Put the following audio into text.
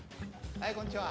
はいこんにちは。